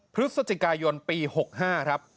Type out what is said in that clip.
พฤศจิกายนปี๖๕ครับ